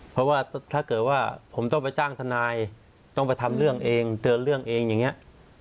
เพราะว่าถ้าเกิดว่าผมต้องไปจ้างทนายต้องไปทำเรื่องเองเดินเรื่องเองอย่างนี้